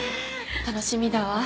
楽しみだわ。